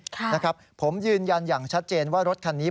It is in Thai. ค่ะนะครับผมยืนยันอย่างชัดเจนว่ารถคันนี้